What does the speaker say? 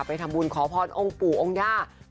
ไปทำบุญขอพ้นองค์ปู่องค์ญาเกาะ